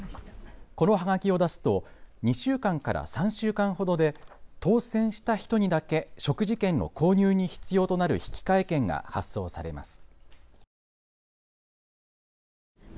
このはがきを出すと２週間から３週間ほどで当せんした人にだけ食事券の購入に必要となる引換券が発送されます。